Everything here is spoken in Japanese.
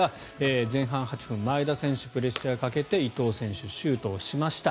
前半８分前田選手がプレッシャーをかけて伊東選手、シュートをしました。